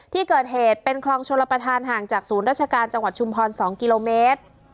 ที่เกิดเหตุเป็นคลองชลประธานห่างจากศูนย์ราชการจังหวัดชุมพร๒กิโลเมตร